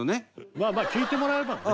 まあまあ聴いてもらえばね。